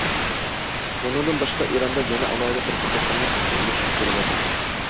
بۇنىڭدىن باشقا، ئىراندا يەنە ئالاھىدە بىر خىل توختاملىق خوتۇن ئېلىش ئۇسۇلى بار.